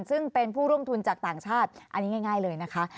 ซึ่งเป็นผู้ร่วมทุนจากต่างชาติอันนี้ง่ายเลยนะคะ